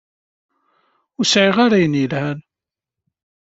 Ur sɛiɣ ara ayen yelhan.